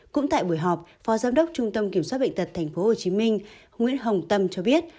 cũng tại buổi họp phó giám đốc trung tâm kiểm soát bệnh tật tp hcm nguyễn hồng tâm cho biết